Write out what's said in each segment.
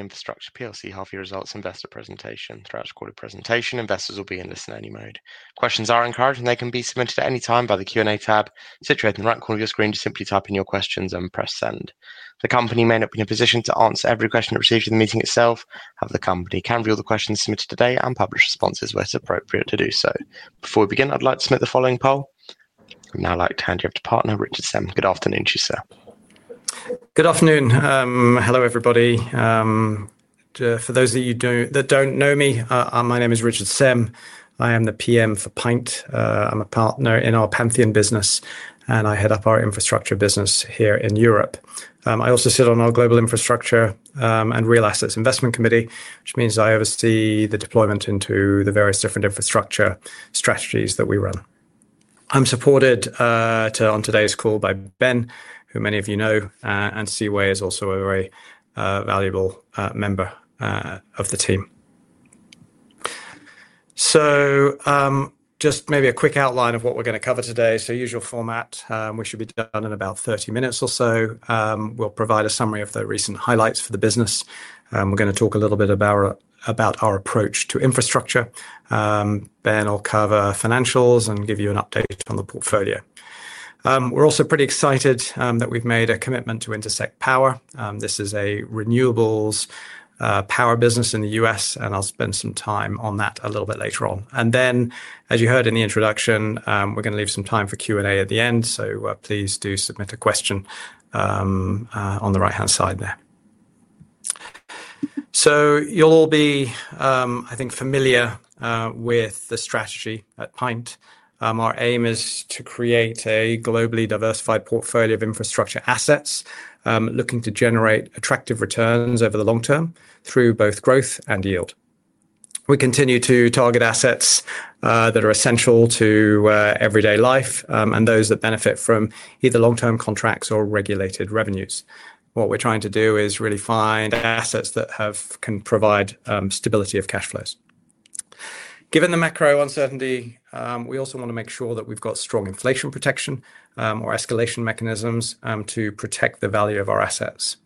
Infrastructure PLC half-year results investor presentation. Throughout the recorded presentation, investors will be in listener only mode. Questions are encouraged, and they can be submitted at any time by the Q&A tab situated in the right corner of your screen. Just simply type in your questions and press send. The company may not be in a position to answer every question that is received in the meeting itself, however, the company can view all the questions submitted today and publish responses where it's appropriate to do so. Before we begin, I'd like to submit the following poll. I'd now like to hand you up to Partner, Richard Sem. Good afternoon to you, sir. Good afternoon. Hello, everybody. For those of you that don't know me, my name is Richard Sem. I am the PM for PINT. I'm a Partner in our Pantheon business, and I head up our Infrastructure business here in Europe. I also sit on our Global Infrastructure and Real Assets Investment Committee, which means I oversee the deployment into the various different infrastructure strategies that we run. I'm supported on today's call by Ben, who many of you know, and Cway is also a very valuable member of the team. Just maybe a quick outline of what we're going to cover today. Usual format, we should be done in about 30 minutes or so. We'll provide a summary of the recent highlights for the business. We're going to talk a little bit about our approach to infrastructure. Ben will cover financials and give you an update on the portfolio. We're also pretty excited that we've made a commitment to Intersect Power. This is a renewables power business in the U.S., and I'll spend some time on that a little bit later on. As you heard in the introduction, we're going to leave some time for Q&A at the end. Please do submit a question on the right-hand side there. You'll all be, I think, familiar with the strategy at PINT. Our aim is to create a globally diversified portfolio of infrastructure assets, looking to generate attractive returns over the long term through both growth and yield. We continue to target assets that are essential to everyday life and those that benefit from either long-term contracts or regulated revenues. What we're trying to do is really find assets that can provide stability of cash flows. Given the macro uncertainty, we also want to make sure that we've got strong inflation protection or escalation mechanisms to protect the value of our assets.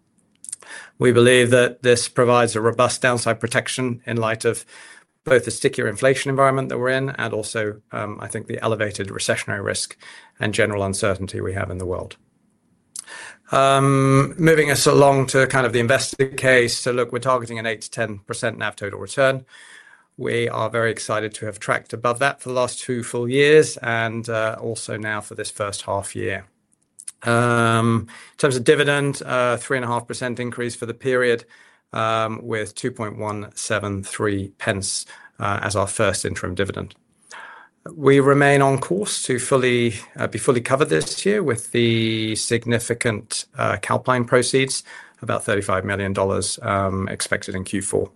We believe that this provides a robust downside protection in light of both the stickier inflation environment that we're in and also, I think, the elevated recessionary risk and general uncertainty we have in the world. Moving us along to kind of the investment case, we're targeting an 8-10% NAV total return. We are very excited to have tracked above that for the last two full years and also now for this first half year. In terms of dividend, a 3.5% increase for the period with 2.173 pence as our first interim dividend. We remain on course to be fully covered this year with the significant Calpine proceeds, about $35 million expected in Q4.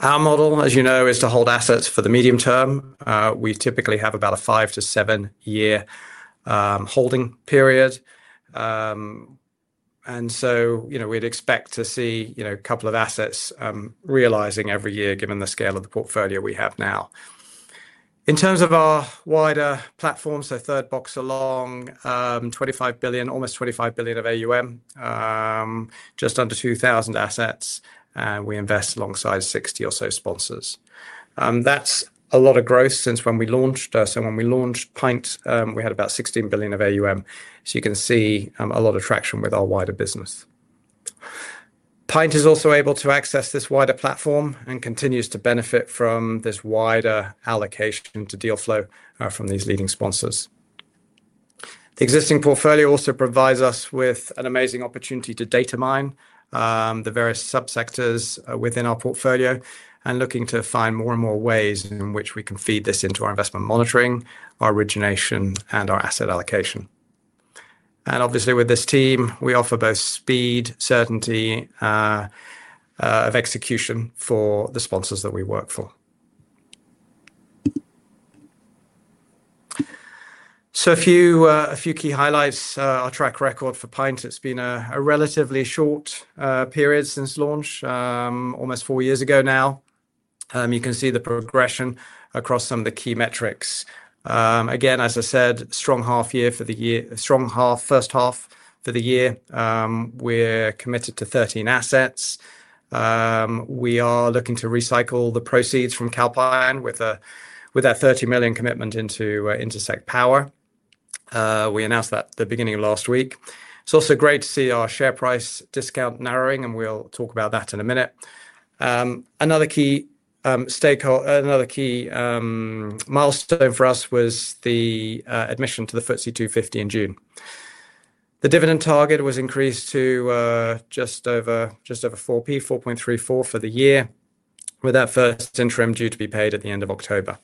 Our model, as you know, is to hold assets for the medium term. We typically have about a five to seven-year holding period. We'd expect to see a couple of assets realizing every year, given the scale of the portfolio we have now. In terms of our wider platform, third box along, almost $25 billion of AUM, just under 2,000 assets, and we invest alongside 60 or so sponsors. That's a lot of growth since when we launched. When we launched PINT, we had about $16 billion of AUM. You can see a lot of traction with our wider business. PINT is also able to access this wider platform and continues to benefit from this wider allocation to deal flow from these leading sponsors. The existing portfolio also provides us with an amazing opportunity to data mine the various subsectors within our portfolio and looking to find more and more ways in which we can feed this into our investment monitoring, our origination, and our asset allocation. Obviously, with this team, we offer both speed and certainty of execution for the sponsors that we work for. A few key highlights, our track record for PINT, it's been a relatively short period since launch, almost four years ago now. You can see the progression across some of the key metrics. Again, as I said, strong half year for the year, strong first half for the year. We're committed to 13 assets. We are looking to recycle the proceeds from Calpine with our $30 million commitment into Intersect Power. We announced that at the beginning of last week. It's also great to see our share price discount narrowing, and we'll talk about that in a minute. Another key milestone for us was the admission to the FTSE 250 in June. The dividend target was increased to just over £0.04, £0.0434 for the year with that first interim due to be paid at the end of October.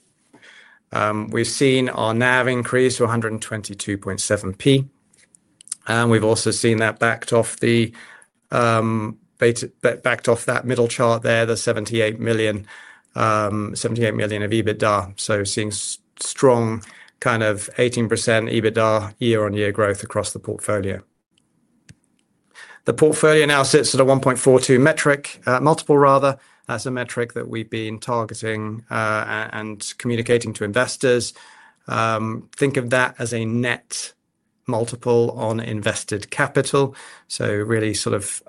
We've seen our NAV increase to £1.227. We've also seen that backed off that middle chart there, the £78 million of EBITDA. Seeing strong kind of 18% EBITDA year-on-year growth across the portfolio. The portfolio now sits at a 1.42 multiple, as a metric that we've been targeting and communicating to investors. Think of that as a net multiple on invested capital, really sort of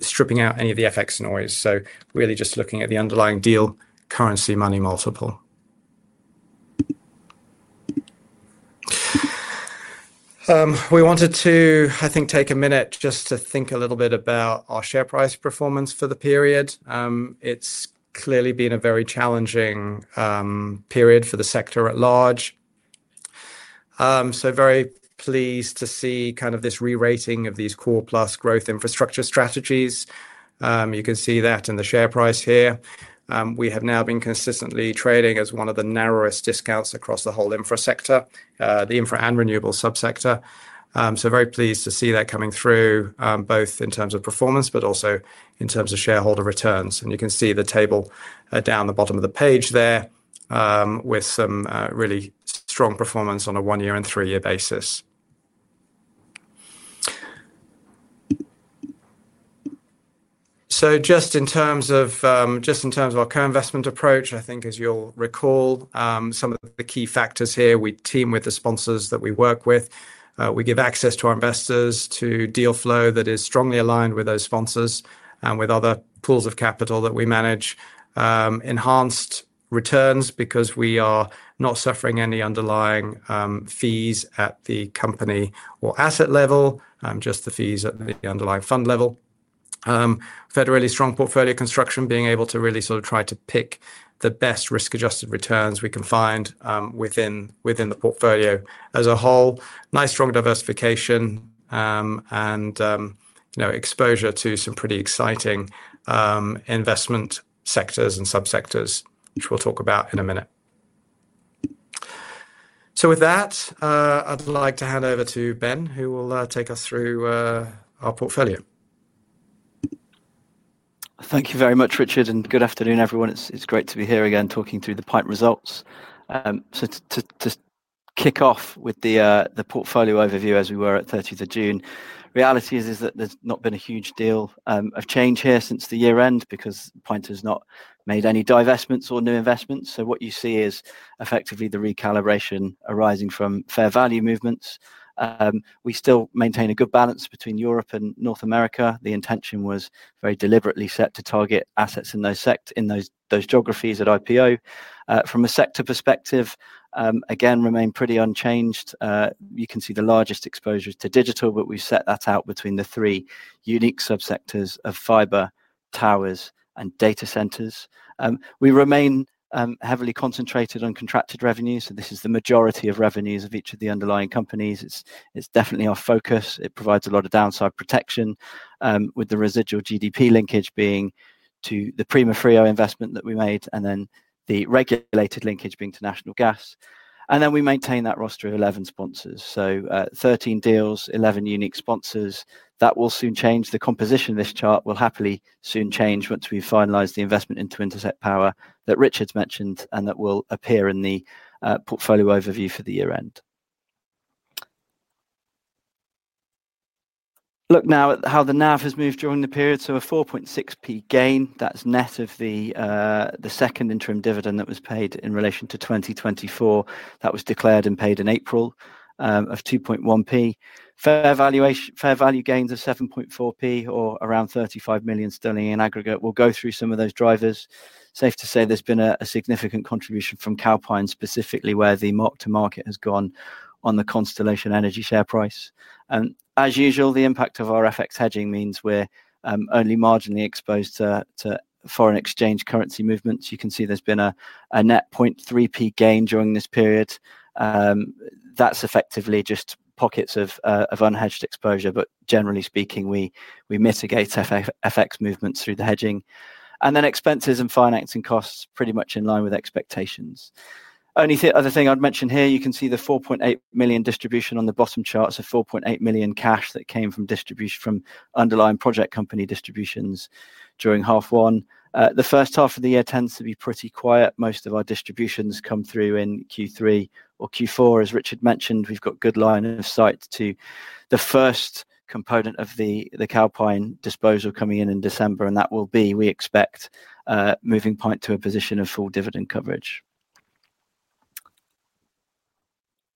stripping out any of the FX noise. Really just looking at the underlying deal currency money multiple. We wanted to, I think, take a minute just to think a little bit about our share price performance for the period. It's clearly been a very challenging period for the sector at large. Very pleased to see kind of this rerating of these core plus growth infrastructure strategies. You can see that in the share price here. We have now been consistently trading as one of the narrowest discounts across the whole infra sector, the infra and renewable subsector. Very pleased to see that coming through both in terms of performance, but also in terms of shareholder returns. You can see the table down the bottom of the page there with some really strong performance on a one-year and three-year basis. Just in terms of our co-investment approach, I think as you'll recall, some of the key factors here, we team with the sponsors that we work with. We give access to our investors to deal flow that is strongly aligned with those sponsors and with other pools of capital that we manage. Enhanced returns because we are not suffering any underlying fees at the company or asset level, just the fees at the underlying fund level. Fairly strong portfolio construction, being able to really try to pick the best risk-adjusted returns we can find within the portfolio as a whole. Nice strong diversification and exposure to some pretty exciting investment sectors and subsectors, which we'll talk about in a minute. With that, I'd like to hand over to Ben, who will take us through our portfolio. Thank you very much, Richard, and good afternoon, everyone. It's great to be here again talking through the PINT results. To kick off with the portfolio overview, as we were at 30th of June, reality is that there's not been a huge deal of change here since the year end because PINT has not made any divestments or new investments. What you see is effectively the recalibration arising from fair value movements. We still maintain a good balance between Europe and North America. The intention was very deliberately set to target assets in those geographies at IPO. From a sector perspective, again, remain pretty unchanged. You can see the largest exposures to digital, but we've set that out between the three unique subsectors of fiber, towers, and data centers. We remain heavily concentrated on contracted revenues. This is the majority of revenues of each of the underlying companies. It's definitely our focus. It provides a lot of downside protection with the residual GDP linkage being to the Primafrio investment that we made and the regulated linkage being to National Gas. We maintain that roster of 11 sponsors. 13 deals, 11 unique sponsors. That will soon change. The composition of this chart will happily soon change once we finalize the investment into Intersect Power that Richard's mentioned and that will appear in the portfolio overview for the year end. Look now at how the NAV has moved during the period. A 4.6p gain, that's net of the second interim dividend that was paid in relation to 2024. That was declared and paid in April of 2.1p. Fair value gains of 7.4p or around £35 million in aggregate. We'll go through some of those drivers. Safe to say there's been a significant contribution from Calpine, specifically where the mark-to-market has gone on the Constellation Energy share price. As usual, the impact of our FX hedging means we're only marginally exposed to foreign exchange currency movements. You can see there's been a net 0.3p gain during this period. That's effectively just pockets of unhedged exposure, but generally speaking, we mitigate FX movements through the hedging. Expenses and financing costs pretty much in line with expectations. The other thing I'd mention here, you can see the £4.8 million distribution on the bottom chart. So £4.8 million cash that came from underlying project company distributions during half one. The first half of the year tends to be pretty quiet. Most of our distributions come through in Q3 or Q4. As Richard mentioned, we've got a good line of sight to the first component of the Calpine disposal coming in in December, and that will be, we expect, moving PINT to a position of full dividend coverage.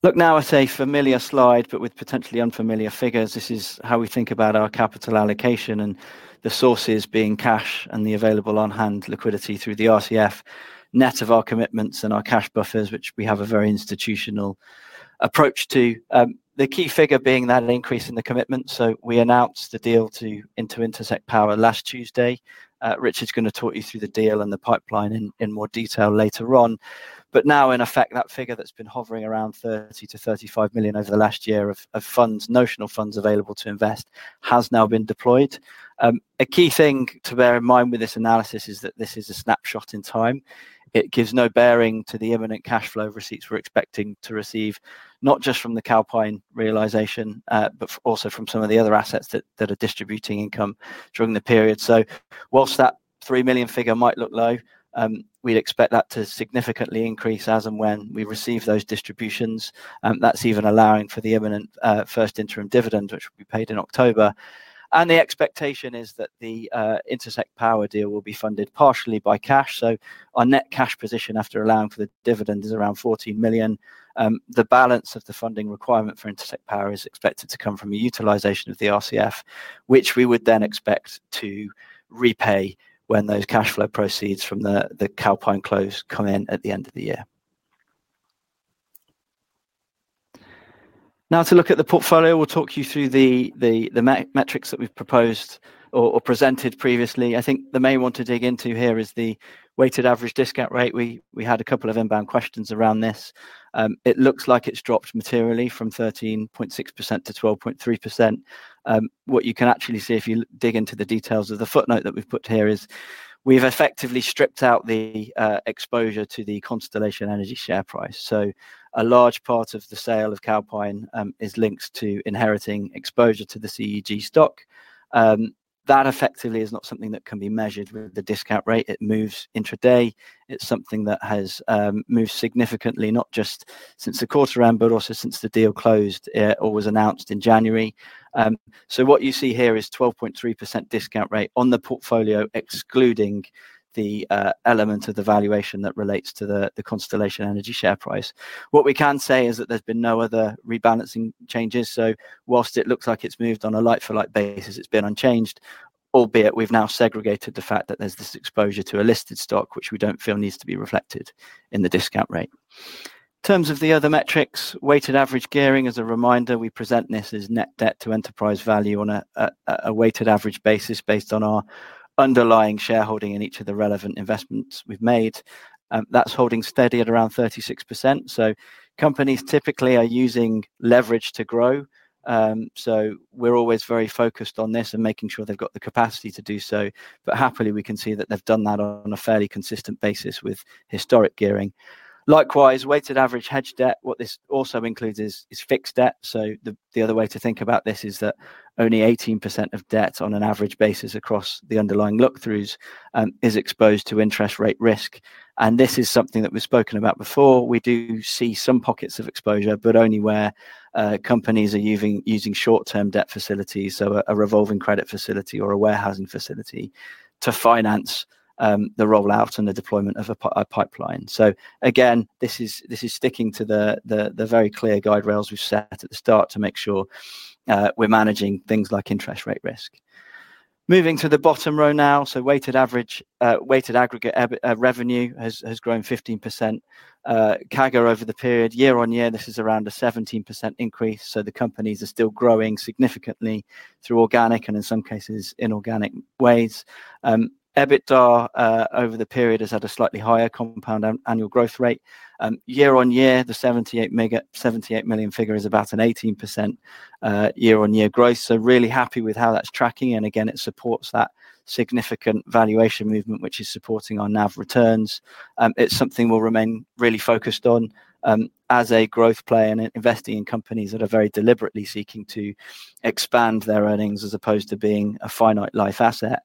Look now at a familiar slide, but with potentially unfamiliar figures. This is how we think about our capital allocation and the sources being cash and the available on-hand liquidity through the revolving credit facility, net of our commitments and our cash buffers, which we have a very institutional approach to. The key figure being that an increase in the commitment. We announced the deal into Intersect Power last Tuesday. Richard's going to talk you through the deal and the pipeline in more detail later on. In effect, that figure that's been hovering around £30 to £35 million over the last year of notional funds available to invest has now been deployed. A key thing to bear in mind with this analysis is that this is a snapshot in time. It gives no bearing to the imminent cash flow of receipts we're expecting to receive, not just from the Calpine realization, but also from some of the other assets that are distributing income during the period. Whilst that $3 million figure might look low, we'd expect that to significantly increase as and when we receive those distributions. That's even allowing for the imminent first interim dividend, which will be paid in October. The expectation is that the Intersect Power deal will be funded partially by cash. Our net cash position after allowing for the dividend is around $14 million. The balance of the funding requirement for Intersect Power is expected to come from a utilization of the revolving credit facility, which we would then expect to repay when those cash flow proceeds from the Calpine close come in at the end of the year. Now to look at the portfolio, we'll talk you through the metrics that we've proposed or presented previously. I think the main one to dig into here is the weighted average discount rate. We had a couple of inbound questions around this. It looks like it's dropped materially from 13.6% to 12.3%. What you can actually see if you dig into the details of the footnote that we've put here is we've effectively stripped out the exposure to the Constellation Energy share price. A large part of the sale of Calpine is linked to inheriting exposure to the Constellation Energy Group stock. That effectively is not something that can be measured with the discount rate. It moves intraday. It's something that has moved significantly, not just since the quarter end, but also since the deal closed or was announced in January. What you see here is 12.3% discount rate on the portfolio, excluding the element of the valuation that relates to the Constellation Energy share price. What we can say is that there's been no other rebalancing changes. Whilst it looks like it's moved on a like-for-like basis, it's been unchanged, albeit we've now segregated the fact that there's this exposure to a listed stock, which we don't feel needs to be reflected in the discount rate. In terms of the other metrics, weighted average gearing, as a reminder, we present this as net debt to enterprise value on a weighted average basis based on our underlying shareholding in each of the relevant investments we've made. That's holding steady at around 36%. Companies typically are using leverage to grow. We're always very focused on this and making sure they've got the capacity to do so. Happily, we can see that they've done that on a fairly consistent basis with historic gearing. Likewise, weighted average hedge debt, what this also includes is fixed debt. The other way to think about this is that only 18% of debt on an average basis across the underlying look-throughs is exposed to interest rate risk. This is something that we've spoken about before. We do see some pockets of exposure, but only where companies are using short-term debt facilities, a revolving credit facility or a warehousing facility to finance the rollout and the deployment of a pipeline. Again, this is sticking to the very clear guide rails we've set at the start to make sure we're managing things like interest rate risk. Moving to the bottom row now, weighted aggregate revenue has grown 15% CAGR over the period. Year on year, this is around a 17% increase. The companies are still growing significantly through organic and in some cases inorganic ways. EBITDA over the period has had a slightly higher compound annual growth rate. Year on year, the $78 million figure is about an 18% year-on-year growth. Really happy with how that's tracking. It supports that significant valuation movement, which is supporting our NAV returns. It's something we'll remain really focused on as a growth play and investing in companies that are very deliberately seeking to expand their earnings as opposed to being a finite life asset.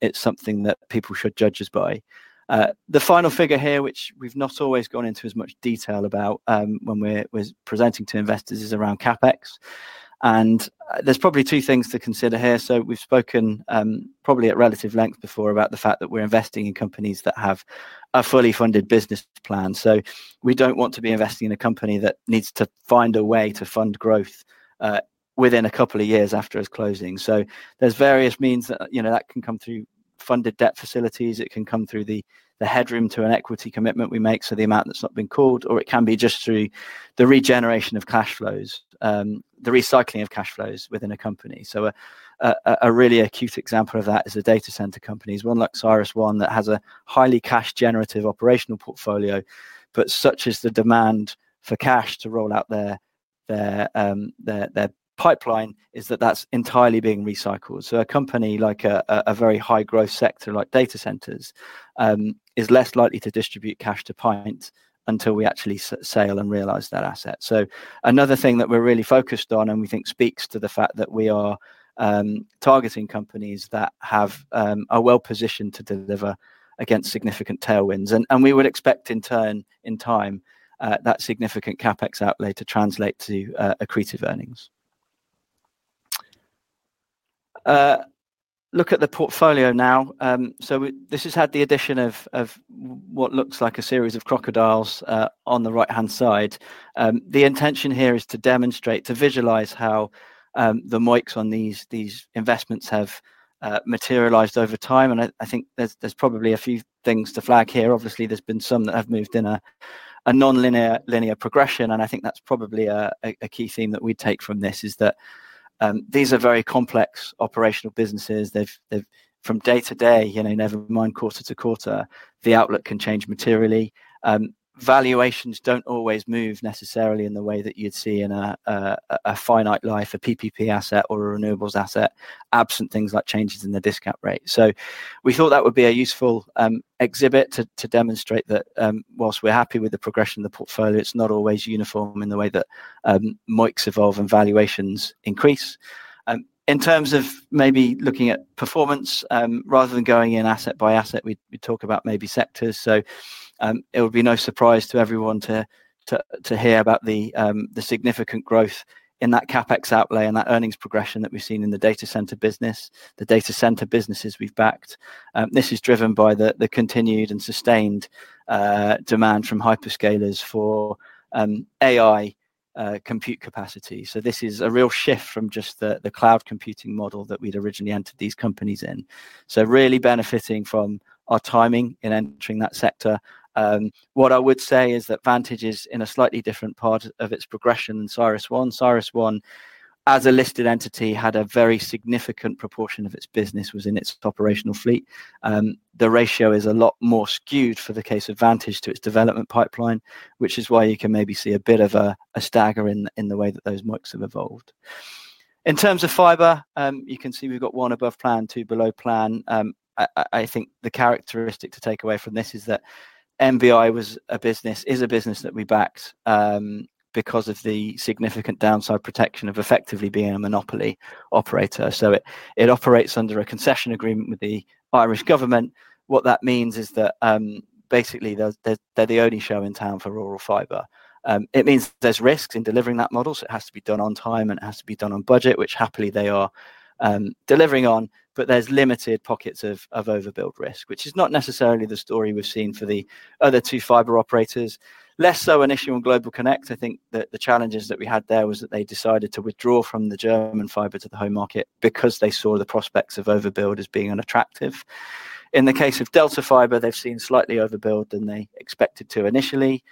It's something that people should judge us by. The final figure here, which we've not always gone into as much detail about when we're presenting to investors, is around CapEx. There are probably two things to consider here. We've spoken probably at relative length before about the fact that we're investing in companies that have a fully funded business plan. We don't want to be investing in a company that needs to find a way to fund growth within a couple of years after it's closing. There are various means that can come through funded debt facilities. It can come through the headroom to an equity commitment we make, so the amount that's not been called, or it can be just through the regeneration of cash flows, the recycling of cash flows within a company. A really acute example of that is a data center company. One like CyrusOne that has a highly cash-generative operational portfolio, but such is the demand for cash to roll out their pipeline that that's entirely being recycled. A company like a very high-growth sector like data centers is less likely to distribute cash to PINT until we actually sell and realize that asset. Another thing that we're really focused on, and we think speaks to the fact that we are targeting companies that are well positioned to deliver against significant tailwinds. We would expect in turn, in time, that significant CapEx outlay to translate to accretive earnings. Look at the portfolio now. This has had the addition of what looks like a series of crocodiles on the right-hand side. The intention here is to demonstrate, to visualize how the moiks on these investments have materialized over time. I think there's probably a few things to flag here. Obviously, there's been some that have moved in a non-linear linear progression, and I think that's probably a key theme that we take from this, is that these are very complex operational businesses. From day to day, never mind quarter to quarter, the outlook can change materially. Valuations don't always move necessarily in the way that you'd see in a finite life, a PPP asset or a renewables asset, absent things like changes in the discount rate. We thought that would be a useful exhibit to demonstrate that whilst we're happy with the progression of the portfolio, it's not always uniform in the way that moiks evolve and valuations increase. In terms of maybe looking at performance rather than going in asset by asset, we talk about maybe sectors. It'll be no surprise to everyone to hear about the significant growth in that CapEx outlay and that earnings progression that we've seen in the data center business, the data center businesses we've backed. This is driven by the continued and sustained demand from hyperscalers for AI compute capacity. This is a real shift from just the cloud computing model that we'd originally entered these companies in. Really benefiting from our timing in entering that sector. What I would say is that Vantage is in a slightly different part of its progression than CyrusOne. CyrusOne, as a listed entity, had a very significant proportion of its business was in its operational fleet. The ratio is a lot more skewed for the case of Vantage to its development pipeline, which is why you can maybe see a bit of a stagger in the way that those moiks have evolved. In terms of fiber, you can see we've got one above plan, two below plan. I think the characteristic to take away from this is that MVI is a business that we backed because of the significant downside protection of effectively being a monopoly operator. It operates under a concession agreement with the Irish government. What that means is that basically they're the only show in town for rural fiber. It means there's risks in delivering that model, so it has to be done on time and it has to be done on budget, which happily they are delivering on, but there's limited pockets of overbuild risk, which is not necessarily the story we've seen for the other two fiber operators. Less so initially on GlobalConnect. I think that the challenges that we had there was that they decided to withdraw from the German fiber to the home market because they saw the prospects of overbuild as being unattractive. In the case of Delta Fiber, they've seen slightly more overbuild than they expected to initially.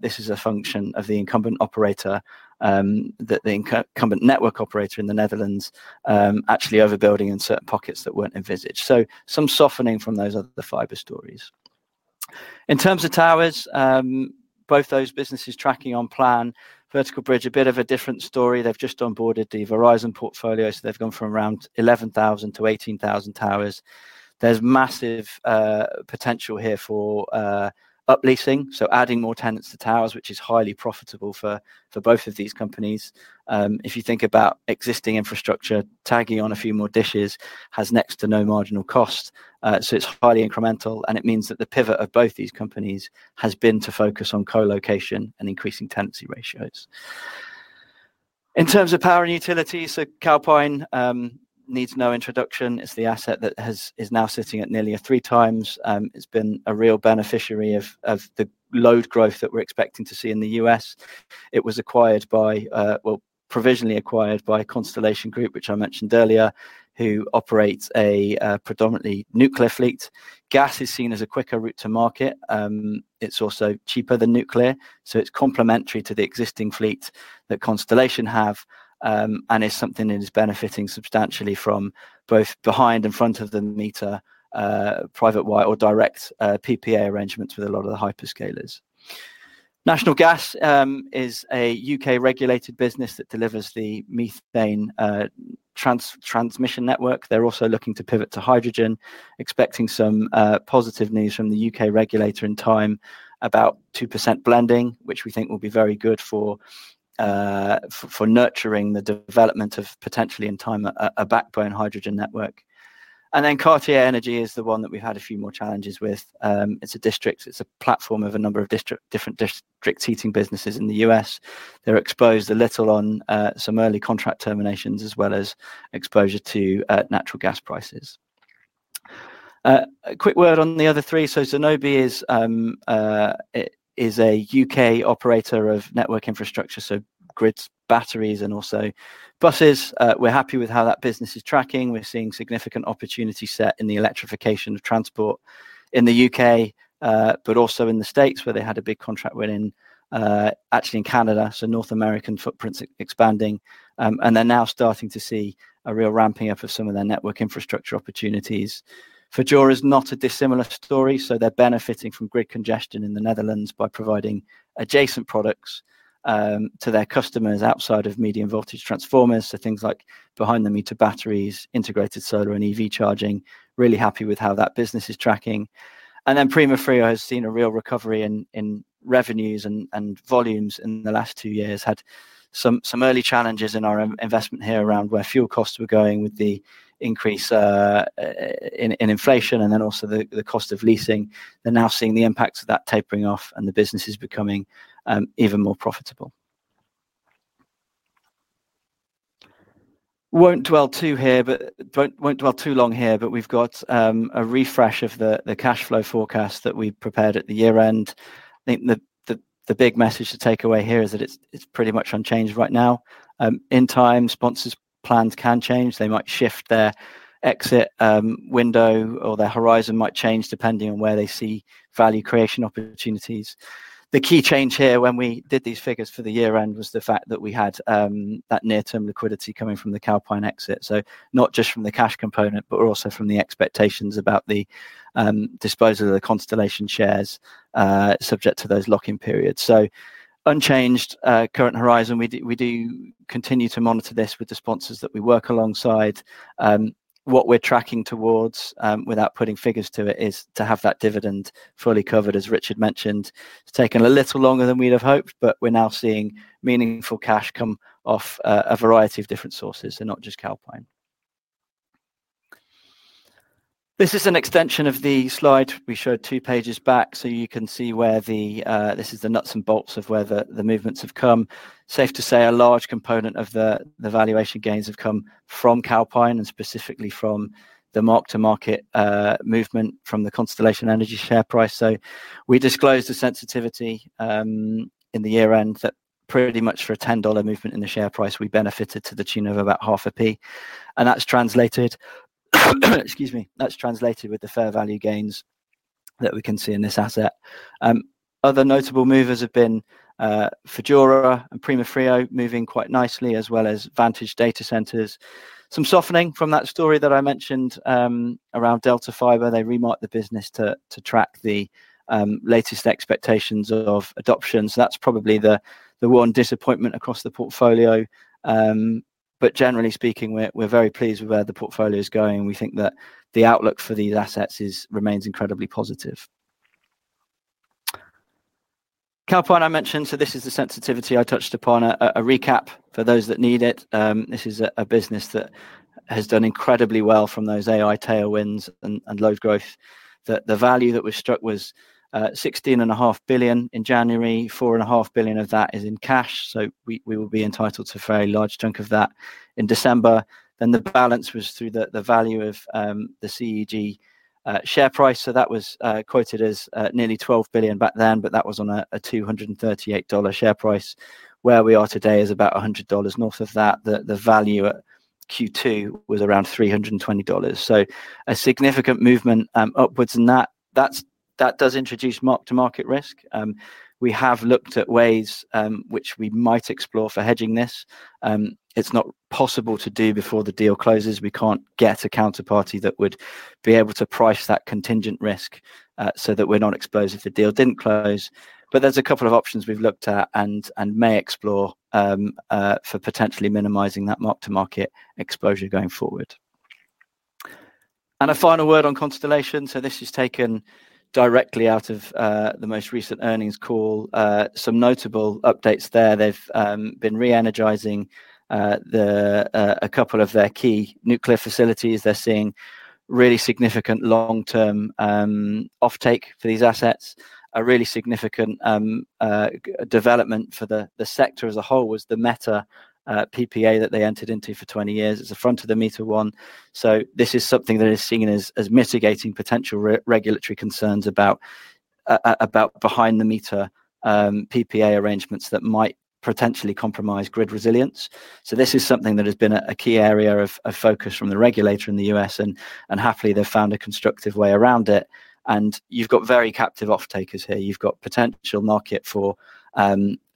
This is a function of the incumbent operator, the incumbent network operator in the Netherlands, actually overbuilding in certain pockets that weren't envisaged. Some softening from those other fiber stories. In terms of towers, both those businesses tracking on plan, Vertical Bridge, a bit of a different story. They've just onboarded the Verizon portfolio, so they've gone from around 11,000 to 18,000 towers. There's massive potential here for upleasing, so adding more tenants to towers, which is highly profitable for both of these companies. If you think about existing infrastructure, tagging on a few more dishes has next to no marginal cost. It's highly incremental, and it means that the pivot of both these companies has been to focus on co-location and increasing tenancy ratios. In terms of power and utilities, Calpine needs no introduction. It's the asset that is now sitting at nearly a three times. It's been a real beneficiary of the load growth that we're expecting to see in the U.S. It was provisionally acquired by Constellation Energy Group, which I mentioned earlier, who operates a predominantly nuclear fleet. Gas is seen as a quicker route to market. It's also cheaper than nuclear, so it's complementary to the existing fleet that Constellation have and is something that is benefiting substantially from both behind and front of the meter private wire or direct PPA arrangements with a lot of the hyperscalers. National Gas is a UK-regulated business that delivers the methane transmission network. They're also looking to pivot to hydrogen, expecting some positive news from the UK regulator in time about 2% blending, which we think will be very good for nurturing the development of potentially in time a backbone hydrogen network. Cartier Energy is the one that we've had a few more challenges with. It's a platform of a number of different district heating businesses in the U.S. They're exposed a little on some early contract terminations as well as exposure to natural gas prices. A quick word on the other three. Zenobe is a UK operator of network infrastructure, so grids, batteries, and also buses. We're happy with how that business is tracking. We're seeing significant opportunity set in the electrification of transport in the UK, but also in the States where they had a big contract win, actually in Canada, so North American footprint is expanding. They're now starting to see a real ramping up of some of their network infrastructure opportunities. Fudura is not a dissimilar story, so they're benefiting from grid congestion in the Netherlands by providing adjacent products to their customers outside of medium voltage transformers, so things like behind the meter batteries, integrated solar, and EV charging. Really happy with how that business is tracking. PrimaFrio has seen a real recovery in revenues and volumes in the last two years. Had some early challenges in our investment here around where fuel costs were going with the increase in inflation and then also the cost of leasing. They're now seeing the impacts of that tapering off and the business is becoming even more profitable. We have a refresh of the cash flow forecast that we prepared at the year end. I think the big message to take away here is that it's pretty much unchanged right now. In time, sponsors' plans can change. They might shift their exit window or their horizon might change depending on where they see value creation opportunities. The key change here when we did these figures for the year end was the fact that we had that near-term liquidity coming from the Calpine exit, not just from the cash component, but also from the expectations about the disposal of the Constellation Energy Group shares subject to those lock-in periods. Unchanged current horizon, we do continue to monitor this with the sponsors that we work alongside. What we're tracking towards without putting figures to it is to have that dividend fully covered, as Richard mentioned. It's taken a little longer than we'd have hoped, but we're now seeing meaningful cash come off a variety of different sources and not just Calpine. This is an extension of the slide we showed two pages back, so you can see where this is the nuts and bolts of where the movements have come. Safe to say a large component of the valuation gains have come from Calpine and specifically from the mark-to-market movement from the Constellation Energy share price. We disclosed the sensitivity in the year end that pretty much for a $10 movement in the share price, we benefited to the tune of about $0.50, and that's translated with the fair value gains that we can see in this asset. Other notable movers have been Fudura and Primafrio moving quite nicely as well as Vantage Data Centers. Some softening from that story that I mentioned around Delta Fiber. They remarked the business to track the latest expectations of adoptions. That's probably the one disappointment across the portfolio, but generally speaking, we're very pleased with where the portfolio is going. We think that the outlook for these assets remains incredibly positive. Calpine, I mentioned, so this is the sensitivity I touched upon, a recap for those that need it. This is a business that has done incredibly well from those AI tailwinds and load growth. The value that we've struck was $16.5 billion in January. $4.5 billion of that is in cash, so we will be entitled to a very large chunk of that in December. The balance was through the value of the CEG share price. That was quoted as nearly $12 billion back then, but that was on a $238 share price. Where we are today is about $100 north of that. The value at Q2 was around $320. A significant movement upwards in that. That does introduce mark-to-market risk. We have looked at ways which we might explore for hedging this. It's not possible to do before the deal closes. We can't get a counterparty that would be able to price that contingent risk so that we're not exposed if the deal didn't close. There's a couple of options we've looked at and may explore for potentially minimizing that mark-to-market exposure going forward. A final word on Constellation. This is taken directly out of the most recent earnings call. Some notable updates there. They've been re-energizing a couple of their key nuclear facilities. They're seeing really significant long-term offtake for these assets. A really significant development for the sector as a whole was the meta PPA that they entered into for 20 years. It's a front of the meter one. This is something that is seen as mitigating potential regulatory concerns about behind-the-meter PPA arrangements that might potentially compromise grid resilience. This is something that has been a key area of focus from the regulator in the U.S., and happily they've found a constructive way around it. You've got very captive offtakers here. You've got potential market for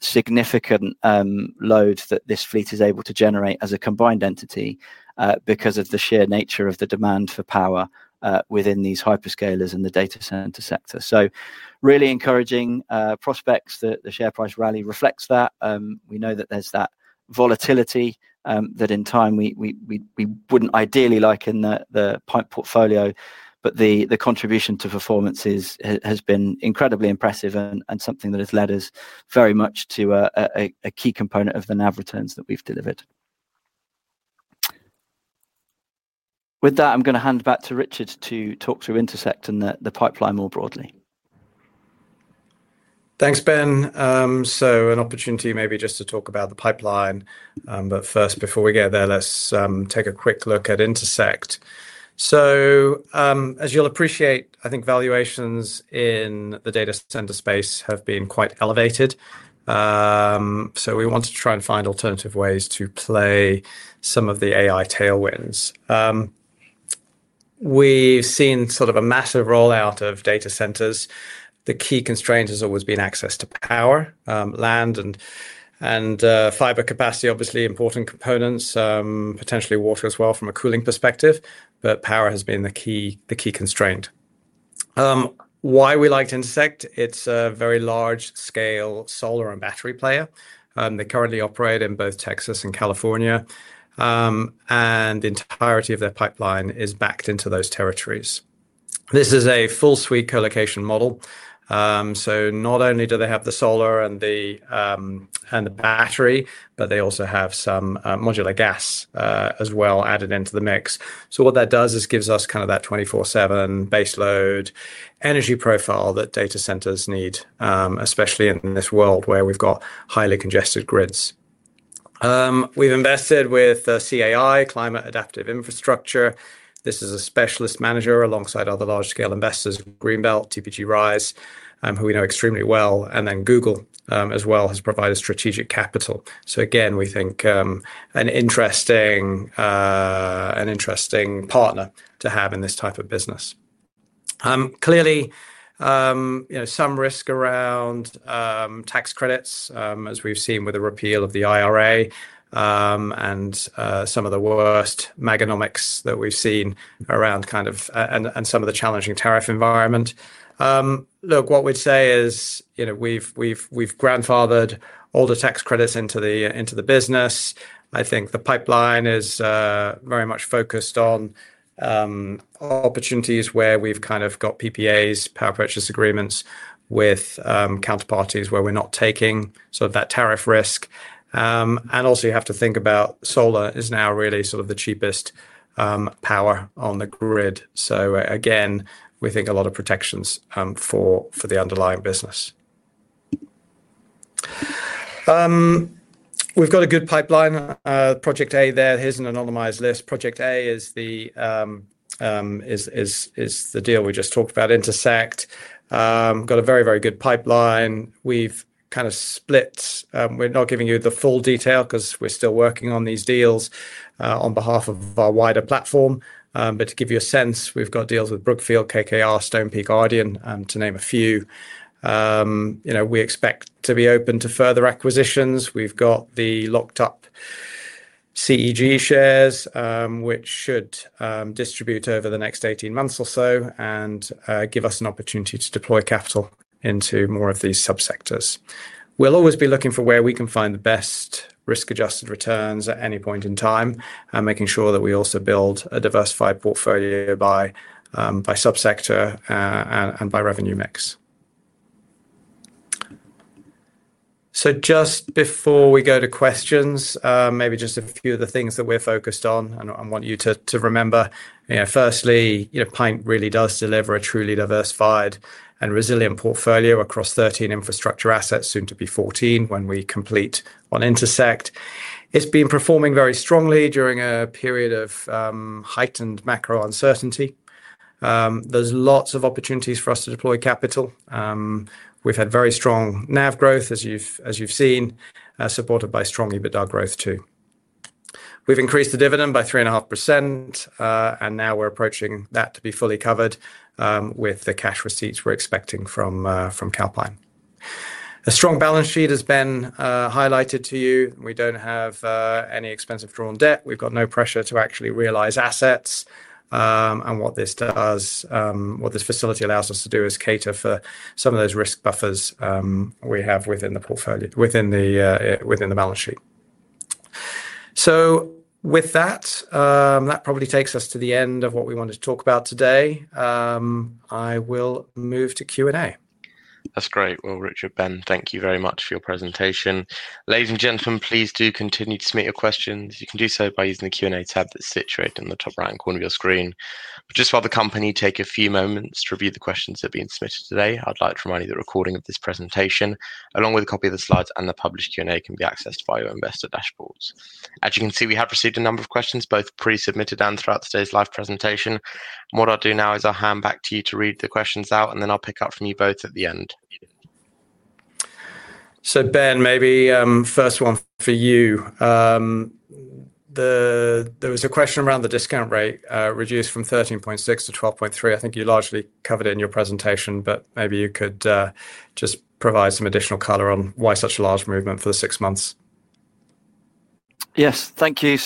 significant load that this fleet is able to generate as a combined entity because of the sheer nature of the demand for power within these hyperscalers and the data center sector. Really encouraging prospects that the share price rally reflects that. We know that there's that volatility that in time we wouldn't ideally like in the PINT portfolio, but the contribution to performance has been incredibly impressive and something that has led us very much to a key component of the NAV returns that we've delivered. With that, I'm going to hand back to Richard to talk through Intersect and the pipeline more broadly. Thanks, Ben. An opportunity maybe just to talk about the pipeline, but first, before we get there, let's take a quick look at Intersect. As you'll appreciate, I think valuations in the data center space have been quite elevated. We want to try and find alternative ways to play some of the AI tailwinds. We've seen a massive rollout of data centers. The key constraint has always been access to power, land, and fiber capacity, obviously important components, potentially water as well from a cooling perspective, but power has been the key constraint. Why we like Intersect? It's a very large-scale solar and battery player. They currently operate in both Texas and California, and the entirety of their pipeline is backed into those territories. This is a full-suite co-location model. Not only do they have the solar and the battery, but they also have some modular gas as well added into the mix. What that does is gives us kind of that 24/7 baseload energy profile that data centers need, especially in this world where we've got highly congested grids. We've invested with CAI, Climate Adaptive Infrastructure. This is a specialist manager alongside other large-scale investors, Greenbelt, TPG Rys, who we know extremely well, and then Google as well has provided strategic capital. Again, we think an interesting partner to have in this type of business. Clearly, some risk around tax credits, as we've seen with the repeal of the IRA and some of the worst megonomics that we've seen around kind of some of the challenging tariff environment. What we'd say is we've grandfathered all the tax credits into the business. I think the pipeline is very much focused on opportunities where we've kind of got PPAs, power purchase agreements, with counterparties where we're not taking that tariff risk. Also, you have to think about solar is now really the cheapest power on the grid. Again, we think a lot of protections for the underlying business. We've got a good pipeline, Project A there. Here's an anonymized list. Project A is the deal we just talked about, Intersect. We've got a very, very good pipeline. We've kind of split. We're not giving you the full detail because we're still working on these deals on behalf of our wider platform. To give you a sense, we've got deals with Brookfield, KKR, Stonepeak, Ardian, to name a few. We expect to be open to further acquisitions. We've got the locked-up CEG shares, which should distribute over the next 18 months or so and give us an opportunity to deploy capital into more of these subsectors. We'll always be looking for where we can find the best risk-adjusted returns at any point in time and making sure that we also build a diversified portfolio by subsector and by revenue mix. Just before we go to questions, maybe just a few of the things that we're focused on and want you to remember. Firstly, PINT really does deliver a truly diversified and resilient portfolio across 13 infrastructure assets, soon to be 14 when we complete on Intersect. It's been performing very strongly during a period of heightened macro uncertainty. There are lots of opportunities for us to deploy capital. We've had very strong NAV growth, as you've seen, supported by strong EBITDA growth too. We've increased the dividend by 3.5%, and now we're approaching that to be fully covered with the cash receipts we're expecting from Calpine. A strong balance sheet has been highlighted to you. We don't have any expensive drawn debt. We've got no pressure to actually realize assets, and what this facility allows us to do is cater for some of those risk buffers we have within the balance sheet. With that, that probably takes us to the end of what we wanted to talk about today. I will move to Q&A. That's great. Richard, Ben, thank you very much for your presentation. Ladies and gentlemen, please do continue to submit your questions. You can do so by using the Q&A tab that's situated in the top right-hand corner of your screen. Just for the company, take a few moments to review the questions that are being submitted today. I'd like to remind you the recording of this presentation, along with a copy of the slides and the published Q&A, can be accessed via your investor dashboards. As you can see, we have received a number of questions, both pre-submitted and throughout today's live presentation. What I'll do now is hand back to you to read the questions out, and then I'll pick up from you both at the end. Ben, maybe first one for you. There was a question around the discount rate reduced from 13.6% to 12.3%. I think you largely covered it in your presentation, but maybe you could just provide some additional color on why such a large movement for the six months. Yes, thank you.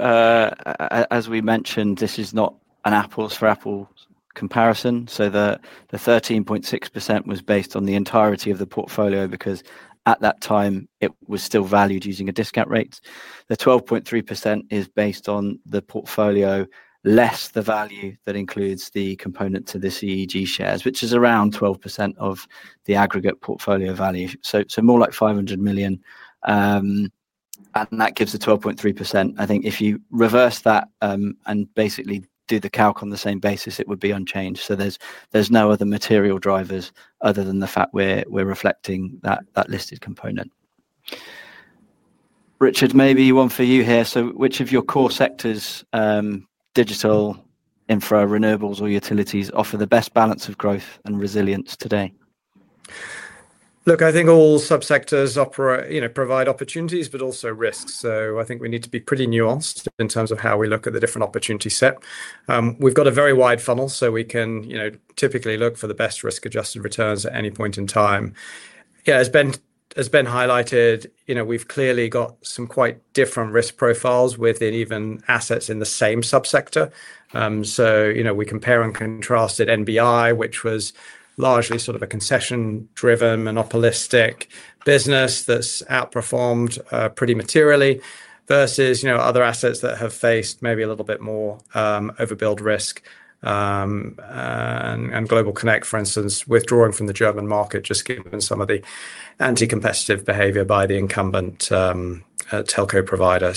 As we mentioned, this is not an apples-for-apples comparison. The 13.6% was based on the entirety of the portfolio because at that time it was still valued using a discount rate. The 12.3% is based on the portfolio, less the value that includes the component to the Constellation Energy Group shares, which is around 12% of the aggregate portfolio value, so more like $500 million. That gives a 12.3%. I think if you reverse that and basically do the calc on the same basis, it would be unchanged. There's no other material drivers other than the fact we're reflecting that listed component. Richard, maybe one for you here. Which of your core sectors, digital, infra, renewables, or utilities offer the best balance of growth and resilience today? Look, I think all subsectors provide opportunities, but also risks. I think we need to be pretty nuanced in terms of how we look at the different opportunity set. We've got a very wide funnel, so we can typically look for the best risk-adjusted returns at any point in time. As Ben Perkins highlighted, we've clearly got some quite different risk profiles within even assets in the same subsector. We compare and contrasted National Broadband Ireland, which was largely a concession-driven monopolistic business that's outperformed pretty materially, versus other assets that have faced maybe a little bit more overbuild risk. Global Connect, for instance, withdrawing from the German market just given some of the anti-competitive behavior by the incumbent telco provider.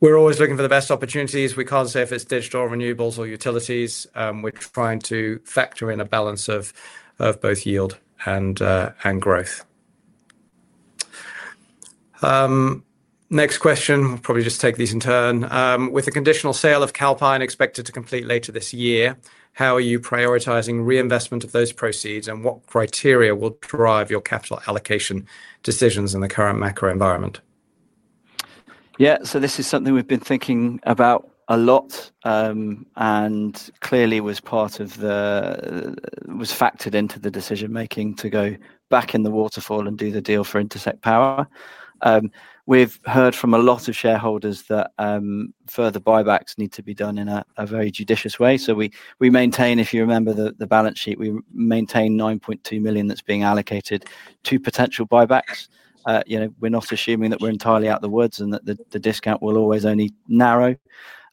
We're always looking for the best opportunities. We can't say if it's digital or renewables or utilities. We're trying to factor in a balance of both yield and growth. Next question, we'll probably just take these in turn. With a conditional sale of Calpine expected to complete later this year, how are you prioritizing reinvestment of those proceeds, and what criteria will drive your capital allocation decisions in the current macro environment? Yeah, this is something we've been thinking about a lot, and clearly was factored into the decision-making to go back in the waterfall and do the deal for Intersect Power. We've heard from a lot of shareholders that further buybacks need to be done in a very judicious way. If you remember the balance sheet, we maintain $9.2 million that's being allocated to potential buybacks. We're not assuming that we're entirely out of the woods and that the discount will always only narrow,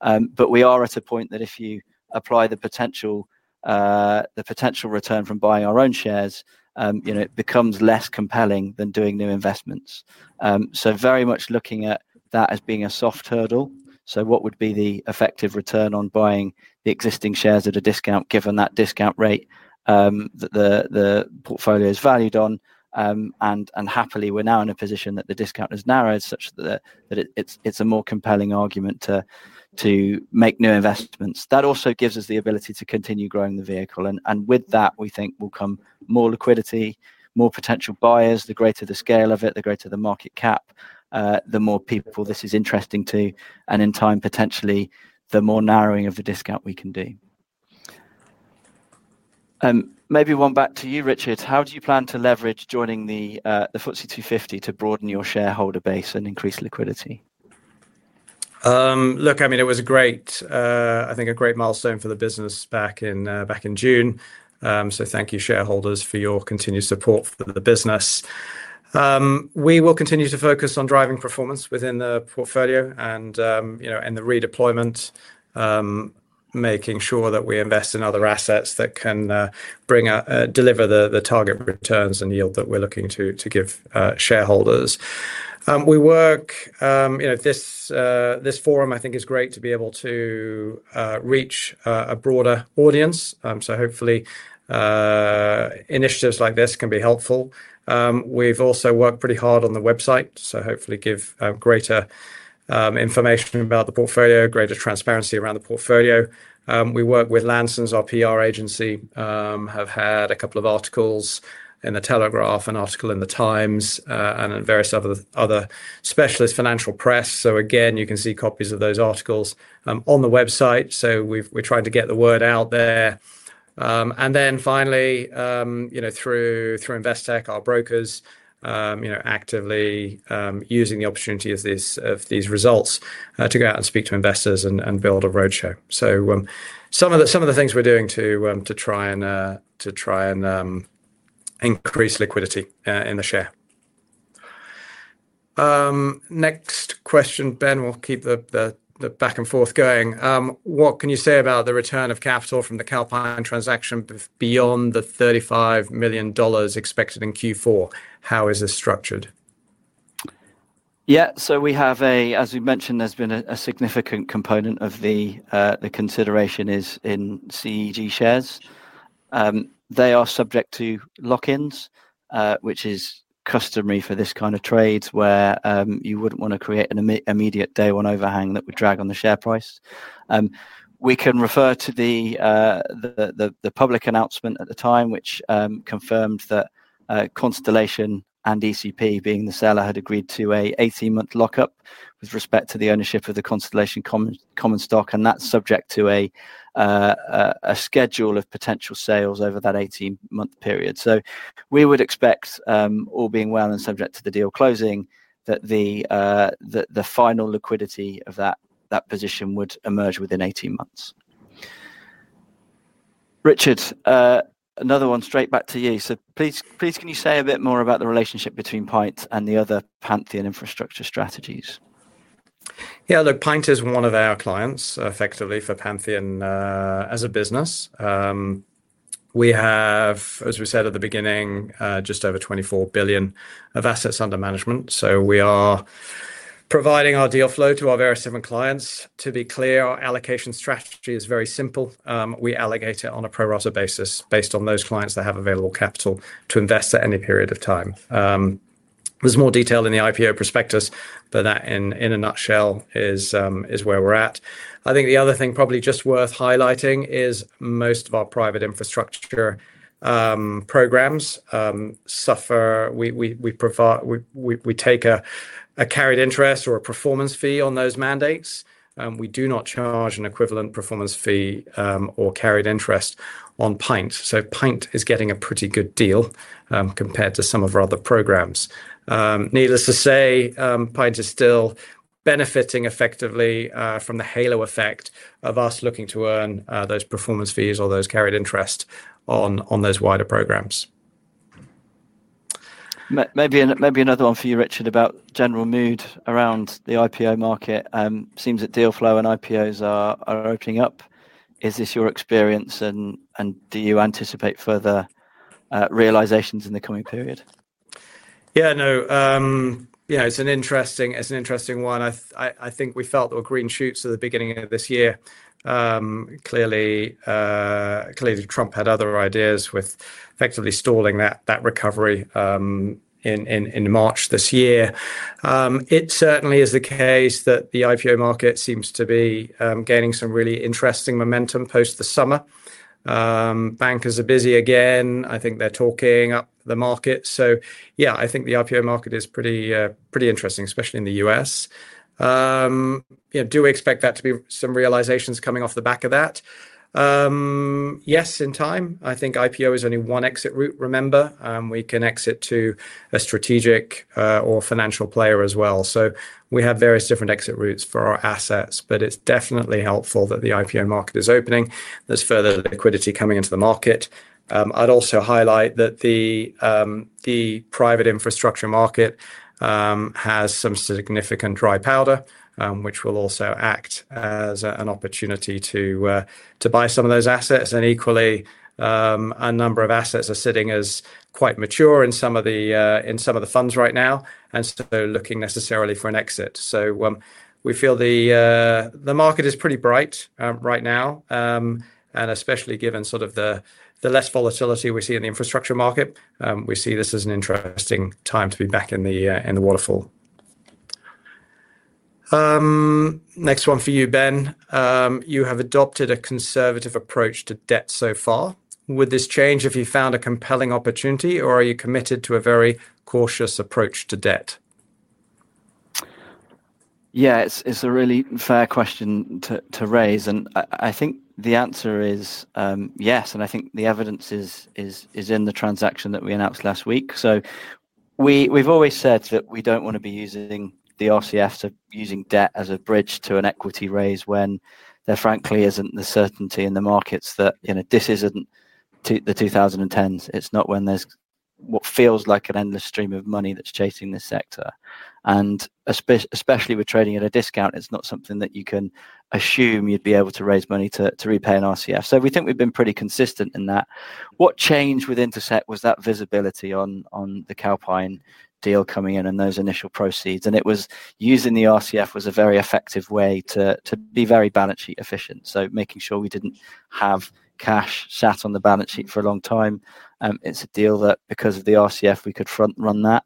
but we are at a point that if you apply the potential return from buying our own shares, it becomes less compelling than doing new investments. Very much looking at that as being a soft hurdle. What would be the effective return on buying the existing shares at a discount given that discount rate that the portfolio is valued on? Happily, we're now in a position that the discount is narrowed such that it's a more compelling argument to make new investments. That also gives us the ability to continue growing the vehicle, and with that, we think will come more liquidity, more potential buyers. The greater the scale of it, the greater the market cap, the more people this is interesting to, and in time, potentially the more narrowing of the discount we can do. Maybe one back to you, Richard. How do you plan to leverage joining the FTSE 250 to broaden your shareholder base and increase liquidity? Look, I mean, it was a great, I think a great milestone for the business back in June. Thank you, shareholders, for your continued support for the business. We will continue to focus on driving performance within the portfolio and the redeployment, making sure that we invest in other assets that can deliver the target returns and yield that we're looking to give shareholders. We work, this forum, I think is great to be able to reach a broader audience. Hopefully, initiatives like this can be helpful. We've also worked pretty hard on the website, so hopefully give greater information about the portfolio, greater transparency around the portfolio. We work with Lansons, our PR agency, have had a couple of articles in the Telegraph, an article in the Times, and in various other specialist financial press. Again, you can see copies of those articles on the website. We're trying to get the word out there. Finally, through Investec, our brokers are actively using the opportunity of these results to go out and speak to investors and build a roadshow. Some of the things we're doing to try and increase liquidity in the share. Next question, Ben, we'll keep the back and forth going. What can you say about the return of capital from the Calpine transaction beyond the $35 million expected in Q4? How is this structured? Yeah, so we have, as we mentioned, there's been a significant component of the consideration in Constellation shares. They are subject to lock-ins, which is customary for this kind of trade where you wouldn't want to create an immediate day-one overhang that would drag on the share price. We can refer to the public announcement at the time, which confirmed that Constellation and ECP, being the seller, had agreed to an 18-month lockup with respect to the ownership of the Constellation Common Stock, and that's subject to a schedule of potential sales over that 18-month period. We would expect, all being well and subject to the deal closing, that the final liquidity of that position would emerge within 18 months. Richard, another one straight back to you. Please, can you say a bit more about the relationship between PINT and the other Pantheon infrastructure strategies? Yeah, PINT is one of our clients effectively for Pantheon as a business. We have, as we said at the beginning, just over $24 billion of assets under management. We are providing our deal flow to our various different clients. To be clear, our allocation strategy is very simple. We allocate it on a pro-rata basis based on those clients that have available capital to invest at any period of time. There's more detail in the IPO prospectus, but that in a nutshell is where we're at. I think the other thing probably just worth highlighting is most of our private infrastructure programs suffer. We take a carried interest or a performance fee on those mandates. We do not charge an equivalent performance fee or carried interest on PINT. PINT is getting a pretty good deal compared to some of our other programs. Needless to say, PINT is still benefiting effectively from the halo effect of us looking to earn those performance fees or those carried interests on those wider programs. Maybe another one for you, Richard, about general mood around the IPO market. It seems that deal flow and IPOs are opening up. Is this your experience, and do you anticipate further realizations in the coming period? Yeah, no, it's an interesting one. I think we felt there were green shoots at the beginning of this year. Clearly, Trump had other ideas with effectively stalling that recovery in March this year. It certainly is the case that the IPO market seems to be gaining some really interesting momentum post the summer. Bankers are busy again. I think they're talking up the market. Yeah, I think the IPO market is pretty interesting, especially in the U.S. Do we expect that to be some realizations coming off the back of that? Yes, in time. I think IPO is only one exit route, remember. We can exit to a strategic or financial player as well. We have various different exit routes for our assets, but it's definitely helpful that the IPO market is opening. There's further liquidity coming into the market. I'd also highlight that the private infrastructure market has some significant dry powder, which will also act as an opportunity to buy some of those assets. Equally, a number of assets are sitting as quite mature in some of the funds right now and still looking necessarily for an exit. We feel the market is pretty bright right now, and especially given the less volatility we see in the infrastructure market, we see this as an interesting time to be back in the waterfall. Next one for you, Ben. You have adopted a conservative approach to debt so far. Would this change if you found a compelling opportunity, or are you committed to a very cautious approach to debt? Yeah. It's a really fair question to raise. I think the answer is yes, and I think the evidence is in the transaction that we announced last week. We've always said that we don't want to be using the revolving credit facility to using debt as a bridge to an equity raise when there frankly isn't the certainty in the markets that this isn't the 2010s. It's not when there's what feels like an endless stream of money that's chasing this sector. Especially with trading at a discount, it's not something that you can assume you'd be able to raise money to repay a revolving credit facility. We think we've been pretty consistent in that. What changed with Intersect was that visibility on the Calpine deal coming in and those initial proceeds. It was using the revolving credit facility was a very effective way to be very balance sheet efficient, making sure we didn't have cash sat on the balance sheet for a long time. It's a deal that because of the revolving credit facility, we could front run that.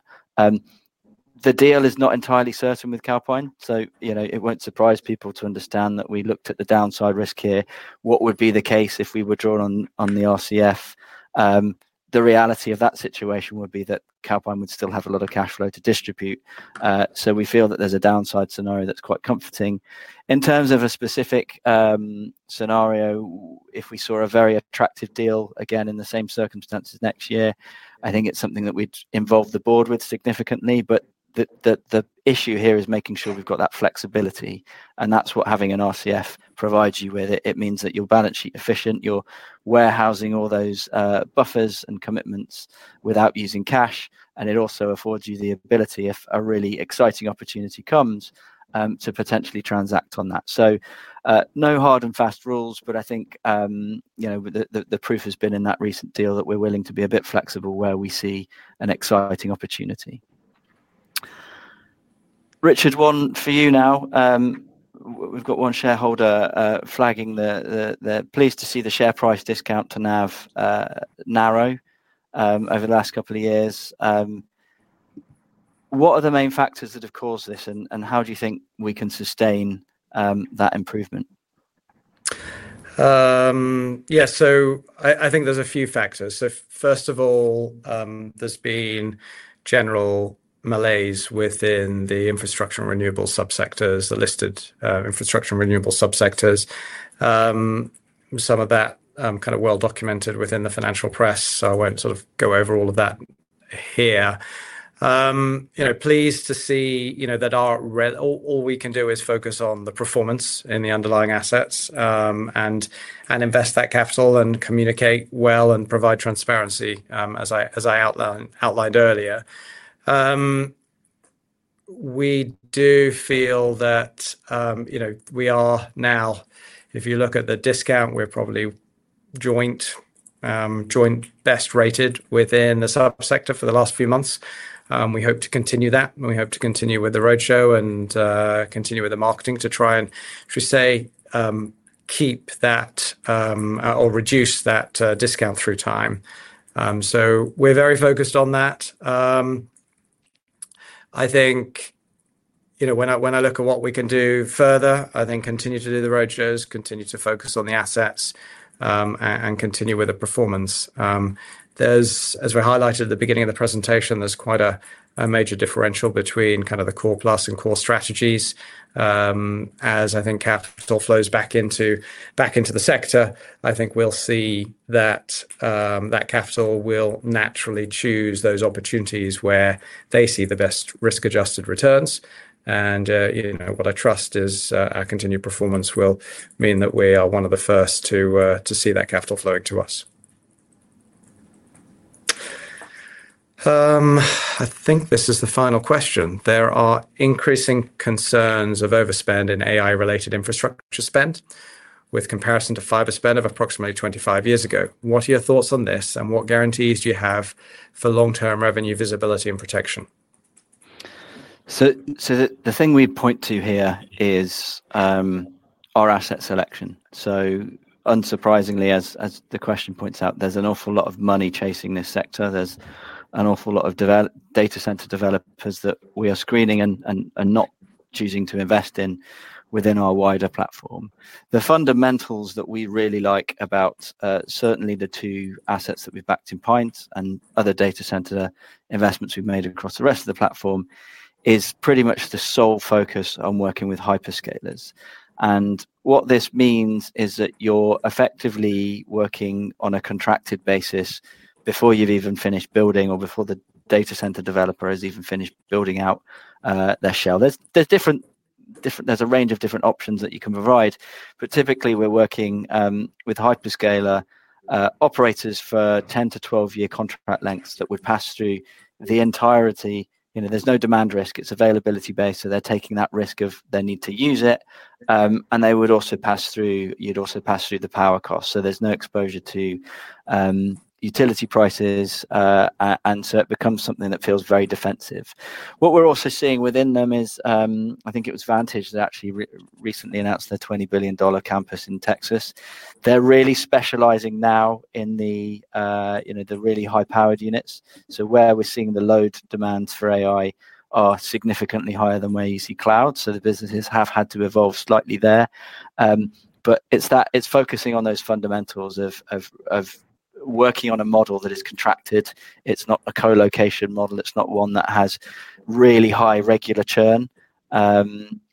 The deal is not entirely certain with Calpine, so it won't surprise people to understand that we looked at the downside risk here. What would be the case if we were drawn on the revolving credit facility? The reality of that situation would be that Calpine would still have a lot of cash flow to distribute. We feel that there's a downside scenario that's quite comforting. In terms of a specific scenario, if we saw a very attractive deal again in the same circumstances next year, I think it's something that we'd involve the board with significantly. The issue here is making sure we've got that flexibility, and that's what having a revolving credit facility provides you with. It means that you're balance sheet efficient, you're warehousing all those buffers and commitments without using cash, and it also affords you the ability, if a really exciting opportunity comes, to potentially transact on that. No hard and fast rules, but I think the proof has been in that recent deal that we're willing to be a bit flexible where we see an exciting opportunity. Richard, one for you now. We've got one shareholder flagging. They're pleased to see the share price discount to NAV narrow over the last couple of years. What are the main factors that have caused this, and how do you think we can sustain that improvement? Yeah, I think there's a few factors. First of all, there's been general malaise within the infrastructure and renewable subsectors, the listed infrastructure and renewable subsectors. Some of that is kind of well-documented within the financial press, so I won't go over all of that here. Pleased to see that all we can do is focus on the performance in the underlying assets and invest that capital and communicate well and provide transparency, as I outlined earlier. We do feel that we are now, if you look at the discount, we're probably joint best rated within the subsector for the last few months. We hope to continue that, and we hope to continue with the roadshow and continue with the marketing to try and, as we say, keep that or reduce that discount through time. We're very focused on that. I think when I look at what we can do further, I think continue to do the roadshows, continue to focus on the assets, and continue with the performance. As we highlighted at the beginning of the presentation, there's quite a major differential between kind of the core plus and core strategies. As I think capital flows back into the sector, I think we'll see that capital will naturally choose those opportunities where they see the best risk-adjusted returns. What I trust is our continued performance will mean that we are one of the first to see that capital flowing to us. I think this is the final question. There are increasing concerns of overspend in AI-related infrastructure spend with comparison to fiber spend of approximately 25 years ago. What are your thoughts on this, and what guarantees do you have for long-term revenue visibility and protection? The thing we'd point to here is our asset selection. Unsurprisingly, as the question points out, there's an awful lot of money chasing this sector. There's an awful lot of data center developers that we are screening and not choosing to invest in within our wider platform. The fundamentals that we really like about certainly the two assets that we've backed in PINT and other data center investments we've made across the rest of the platform is pretty much the sole focus on working with hyperscalers. What this means is that you're effectively working on a contracted basis before you've even finished building or before the data center developer has even finished building out their shell. There's a range of different options that you can provide, but typically we're working with hyperscaler operators for 10 to 12-year contract lengths that would pass through the entirety. There's no demand risk. It's availability-based, so they're taking that risk of their need to use it. You'd also pass through the power costs, so there's no exposure to utility prices, and it becomes something that feels very defensive. What we're also seeing within them is, I think it was Vantage that actually recently announced their $20 billion campus in Texas. They're really specializing now in the really high-powered units. Where we're seeing the load demands for AI are significantly higher than where EZ Cloud, so the businesses have had to evolve slightly there. It's focusing on those fundamentals of working on a model that is contracted. It's not a co-location model. It's not one that has really high regular churn.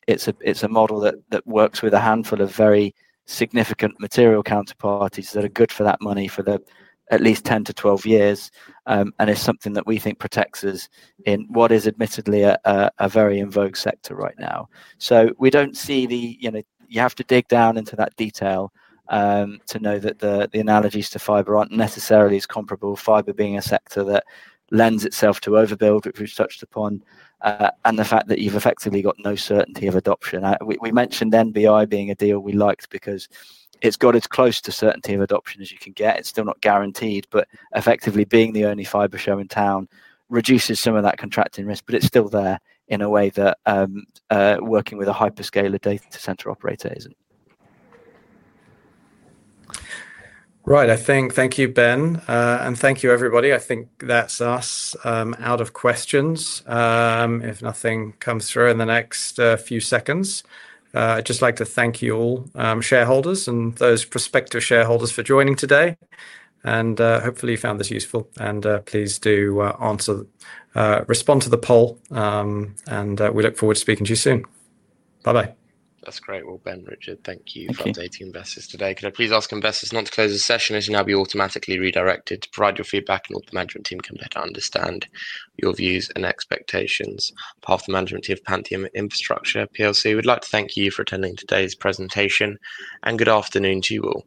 It's a model that works with a handful of very significant material counterparties that are good for that money for at least 10 to 12 years, and it's something that we think protects us in what is admittedly a very in vogue sector right now. You have to dig down into that detail to know that the analogies to fiber aren't necessarily as comparable, fiber being a sector that lends itself to overbuild, which we've touched upon, and the fact that you've effectively got no certainty of adoption. We mentioned National Broadband Ireland being a deal we liked because it's got as close to certainty of adoption as you can get. It's still not guaranteed, but effectively being the only fiber show in town reduces some of that contracting risk, but it's still there in a way that working with a hyperscaler data center operator isn't. Right, thank you, Ben, and thank you, everybody. I think that's us out of questions. If nothing comes through in the next few seconds, I'd just like to thank you all, shareholders and those prospective shareholders, for joining today. Hopefully, you found this useful, and please do respond to the poll. We look forward to speaking to you soon. Bye-bye. That's great. Ben, Richard, thank you for updating investors today. Could I please ask investors not to close the session as you will now be automatically redirected to provide your feedback and let the management team better understand your views and expectations. As the management team of Pantheon Infrastructure PLC, we'd like to thank you for attending today's presentation, and good afternoon to you all.